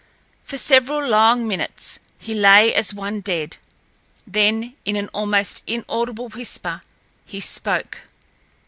For several long minutes he lay as one dead, then in an almost inaudible whisper he spoke.